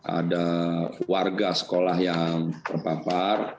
ada warga sekolah yang terpapar